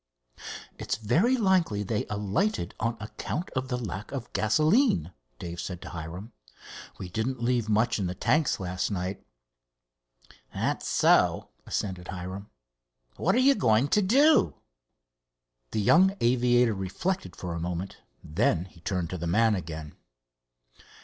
"It is very likely they alighted on account of the lack of gasoline," Dave said to Hiram. "We didn't leave much in the tanks last night." "That's so," assented Hiram. "What are you going to do?" The young aviator reflected for a moment. Then he turned to the man again.